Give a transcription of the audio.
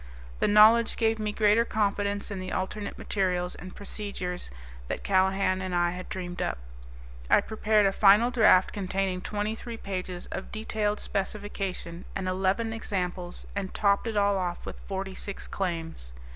The knowledge gave me greater confidence in the alternate materials and procedures that Callahan and I had dreamed up. I prepared a final draft containing twenty three pages of detailed specification and eleven examples and topped it all off with forty six claims.